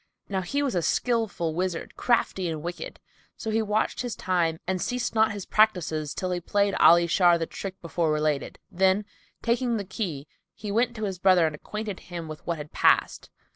Now he was a skilful wizard, crafty and wicked; so he watched his time and ceased not his practices till he played Ali Shar the trick before related; then, taking the key, he went to his brother and acquainted him with what had passed.